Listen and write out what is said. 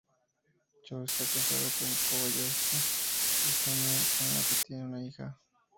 Cho está casado con Kobayashi Izumi, con la que tiene una hija.